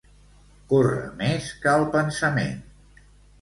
Córrer més que el pensament.